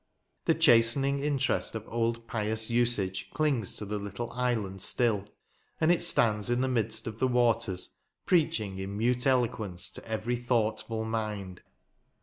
The chastening interest of old pious usage clings to the little island still; and it stands in the midst of the waters, preaching in mute eloquence to every thoughtful mind.